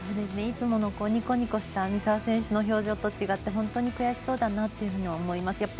いつものニコニコした三澤選手の表情と違って本当に悔しそうだなと思います。